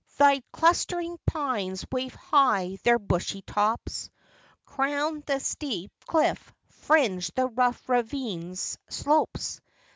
49 Thy clustering pines wave high their bushy tops, Crown the steep cliff, fringe the rough ravine's slopes.